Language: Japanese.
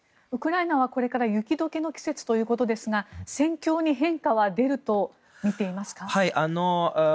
ウクライナはこれから雪解けの季節ということですが戦況に変化は出ると見ていますか？